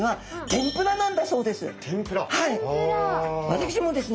私もですね